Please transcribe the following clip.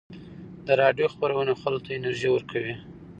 د راډیو خپرونې خلکو ته انرژي ورکوي.